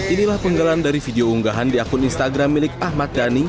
inilah penggalan dari video unggahan di akun instagram milik ahmad dhani